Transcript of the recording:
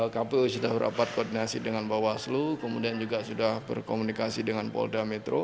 kpu sudah berapat koordinasi dengan bawaslu kemudian juga sudah berkomunikasi dengan polda metro